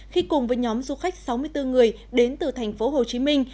khi cùng với nhóm du khách sáu mươi bốn người đến từ thành phố hồ chí minh